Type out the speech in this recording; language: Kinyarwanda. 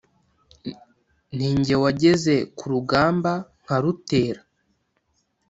Ninjyewageze ku rugamba, nkarutera